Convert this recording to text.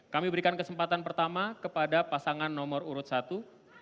kami berikan kesempatan pertama kepada pasangan nomor urut satu